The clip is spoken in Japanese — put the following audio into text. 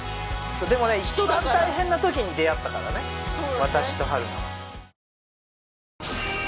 でもね一番大変な時に出会ったからね私と春菜は。